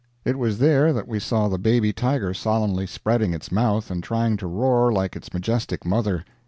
It was there that we saw the baby tiger solemnly spreading its mouth and trying to roar like its majestic mother.